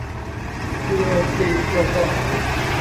ยูเอซี โกลบอล